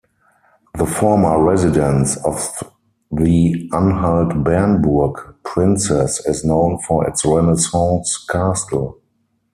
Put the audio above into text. The former residence of the Anhalt-Bernburg princes is known for its Renaissance castle.